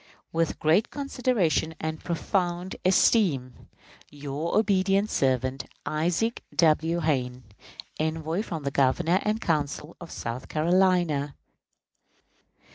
With great consideration and profound esteem, Your obedient servant, ISAAC W. HAYNE, _Envoy from the Governor and Council of South Carolina.